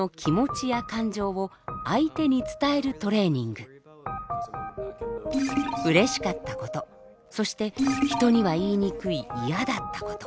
活動内容はうれしかったことそして人には言いにくい嫌だったこと。